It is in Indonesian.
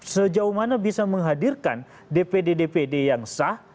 sejauh mana bisa menghadirkan dpd dpd yang sah